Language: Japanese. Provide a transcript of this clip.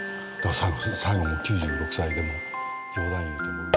最後９６歳でもう冗談言って。